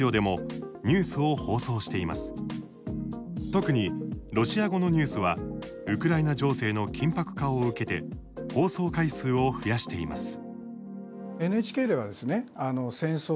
特に、ロシア語のニュースはウクライナ情勢の緊迫化を受けて放送回数を増やしています。